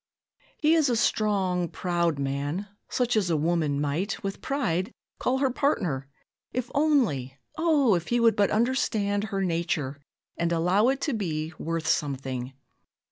"He is a strong, proud man, such as a woman might, with pride, call her partner 'if only O! if he would but understand her nature, and allow it to be worth something.